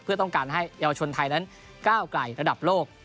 เพื่อต้องการให้เยาวชนไทยนั้นก้าวไกลระดับโลก